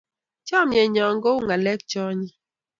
Chonye nyo kou ng'alek che onyiny